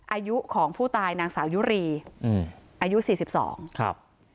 อายุของผู้ตายนางสาวยุรีอืมอายุสี่สิบสองครับ